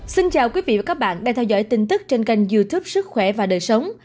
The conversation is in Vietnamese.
xin chào quý vị và các bạn đang theo dõi tin tức trên kênh youtube sức khỏe và đời sống